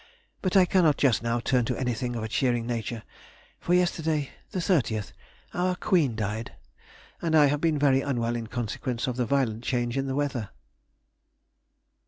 But I cannot just now turn to anything of a cheering nature, for yesterday, the 30th, our Queen died, and I have been very unwell in consequence of the violent change in the weather....